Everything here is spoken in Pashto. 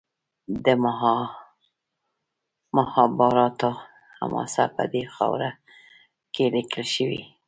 د مهابهاراتا حماسه په دې خاوره کې لیکل شوې.